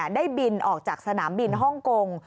ได้บินออกจากสนามบินฮ่องกง